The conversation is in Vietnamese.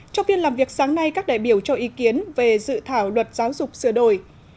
trong phiên làm việc sáng nay các đại biểu cho ý kiến về dự thảo luật giáo dục sửa đổi